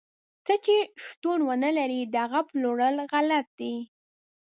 څه شی چې شتون ونه لري، د هغه پلورل غلط دي.